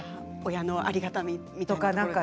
親のありがたみとかですか。